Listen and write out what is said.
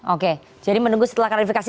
oke jadi menunggu setelah klarifikasi